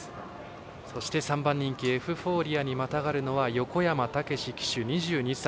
そして、３番人気エフフォーリアにまたがるのは横山武史騎手、２２歳。